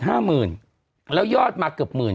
เพราะถ้าสมมุติคำว่าตรวจ๕๐๐๐๐แล้วยอดมาเกือบหมื่น